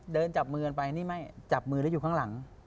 จับมือกันไปนี่ไม่จับมือแล้วอยู่ข้างหลัง